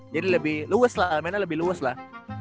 jadi lebih luwes lah mainnya lebih luwes lah